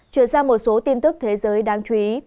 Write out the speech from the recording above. chuyển sang một số tin tức thế giới đáng chú ý